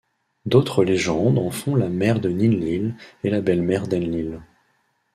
D'autres légendes en font la mère de Ninlil et la belle-mère d'Enlil.